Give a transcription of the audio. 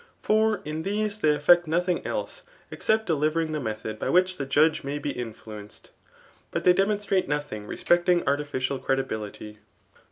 Far in these they eflPect notlidi^ else except delivering, the medk)d by which the Judge may be influenced ; but theyt dsoMpstraie Qetbmg respecting ardfidal credjjbslity